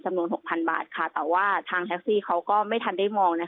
สำนวน๖๐๐๐บาทแต่ว่าทางแท็คซี่เขาก็ไม่ทันได้มอง